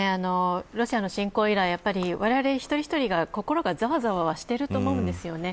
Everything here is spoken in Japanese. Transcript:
ロシアの侵攻以来、われわれ一人一人が心がざわざわしていると思うんですよね。